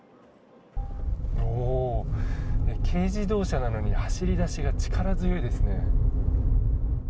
おお、軽自動車なのに走りだしが力強いですね。